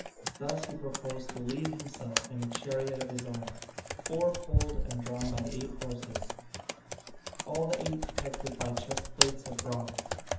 These he proposed to lead himself in a chariot of his own, four poled and drawn by eight horses, all the eight protected by chest plates of bronze.